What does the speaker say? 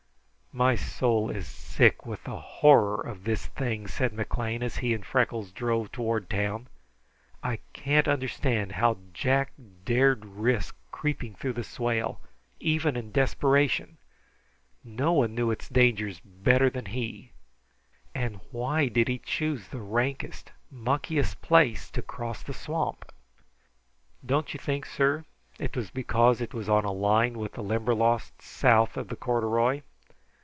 "My soul is sick with the horror of this thing," said McLean, as he and Freckles drove toward town. "I can't understand how Jack dared risk creeping through the swale, even in desperation. No one knew its dangers better than he. And why did he choose the rankest, muckiest place to cross the swamp?" "Don't you think, sir, it was because it was on a line with the Limberlost south of the corduroy?